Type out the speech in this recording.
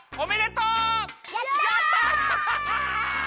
やった！